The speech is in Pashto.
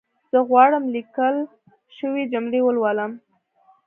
زه غواړم ليکل شوې جملي ولولم